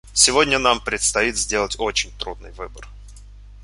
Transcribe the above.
Сегодня нам предстоит сделать очень трудный выбор.